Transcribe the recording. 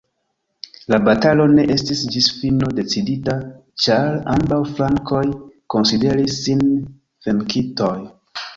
La batalo ne estis ĝis fino decidita ĉar ambaŭ flankoj konsideris sin venkintoj.